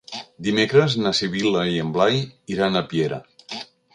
Dimecres na Sibil·la i en Blai iran a Piera.